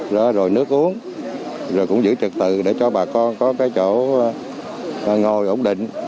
đó rồi nước uống rồi cũng giữ trực tự để cho bà con có cái chỗ ngồi ổn định